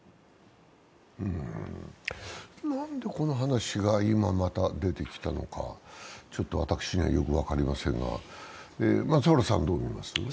なんでこの話が今また出てきたのか、ちょっと私にはよく分かりませんが、松原さん、どう見ます？